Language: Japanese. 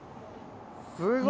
すごい！